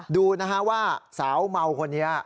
ดูนะฮะว่าสาวเมาคนนี้